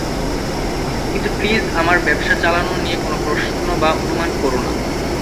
কিন্তু প্লিজ আমার ব্যবসা চালানো নিয়ে কোনো প্রশ্ন বা অনুমান করো না।